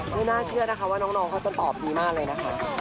ไม่น่าเชื่อนะคะว่าน้องเขาจะตอบดีมากเลยนะคะ